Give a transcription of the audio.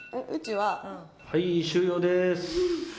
はい終了です。